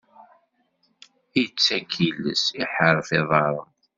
Ittak iles, iḥerref iḍaṛṛen.